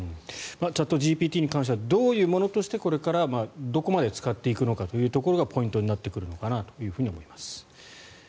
チャットＧＰＴに関してはどういうものとしてこれからどこまで使っていくのかというところがポイントになってくるのかなと思います。